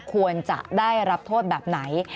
ควรจะได้รับโทษแบบไหน